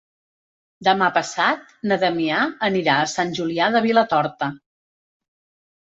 Demà passat na Damià anirà a Sant Julià de Vilatorta.